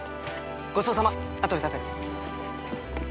ごちそうさま後で食べる。